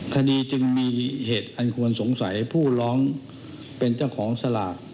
คดีจึงมีเหตุอันควรสงสัยผู้ร้องเป็นเจ้าของสลาก